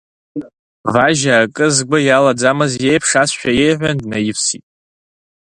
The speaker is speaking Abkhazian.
Важьа акы згәы иалаӡамыз иеиԥш, аԥсшәа иеиҳәан, днаивсит.